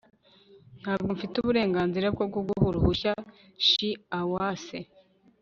ntabwo mfite uburenganzira bwo kuguha uruhushya shiawase